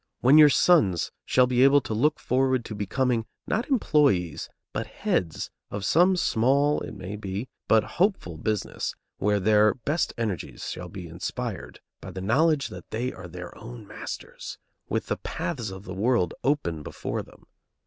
when your sons shall be able to look forward to becoming, not employees, but heads of some small, it may be, but hopeful, business, where their best energies shall be inspired by the knowledge that they are their own masters, with the paths of the world open before them?